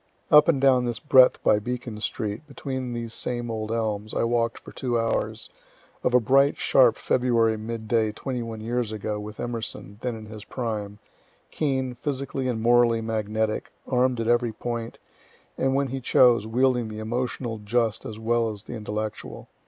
Up and down this breadth by Beacon street, between these same old elms, I walk'd for two hours, of a bright sharp February mid day twenty one years ago, with Emerson, then in his prime, keen, physically and morally magnetic, arm'd at every point, and when he chose, wielding the emotional just as well as the intellectual.